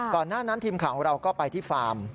หน้านั้นทีมข่าวของเราก็ไปที่ฟาร์ม